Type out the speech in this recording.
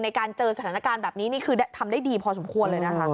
เจอสถานการณ์แบบนี้นี่คือทำได้ดีพอสมควรเลยนะคะ